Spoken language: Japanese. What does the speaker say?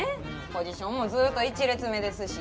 ポジションもずっと一列目ですし。